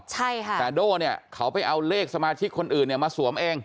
ใช่ค่ะแต่โด่เนี่ยเขาไปเอาเลขสมาชิกคนอื่นเนี่ยมาสวมเอง